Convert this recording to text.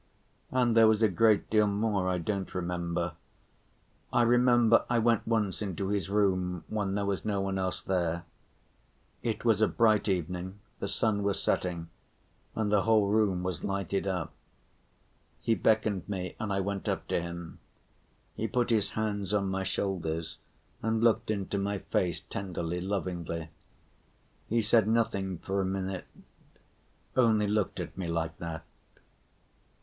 And there was a great deal more I don't remember. I remember I went once into his room when there was no one else there. It was a bright evening, the sun was setting, and the whole room was lighted up. He beckoned me, and I went up to him. He put his hands on my shoulders and looked into my face tenderly, lovingly; he said nothing for a minute, only looked at me like that.